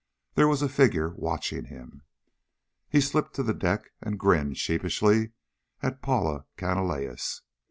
There was a figure watching him. He slipped to the deck and grinned sheepishly at Paula Canalejas.